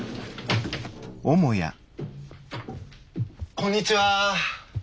こんにちは。